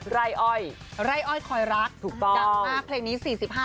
ไรอ้อยรักอ๊าวปลาย